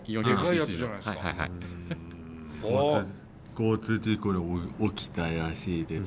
交通事故起きたらしいです。